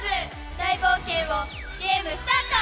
大冒険をゲームスタート！